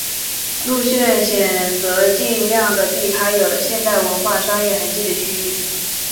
路线选择尽量的避开了有现代文明商业痕迹的区域。